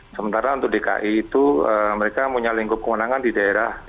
sementara untuk dki itu mereka punya lingkup kewenangan di daerah